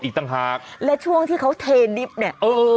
อีกต่างหากและช่วงที่เขาเทนิฟต์เนี่ยเออ